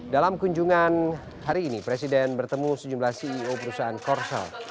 dalam kunjungan hari ini presiden bertemu sejumlah ceo perusahaan korsal